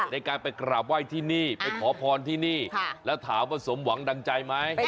ในการไปกราบไหว้ที่นี่ไปขอพรที่นี่แล้วถามว่าสมหวังดังใจไหม